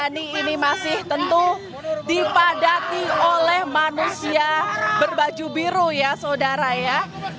ini masih tentu dipadati oleh manusia berbaju biru ya saudara ya